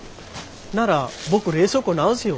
なら僕冷蔵庫直すよ。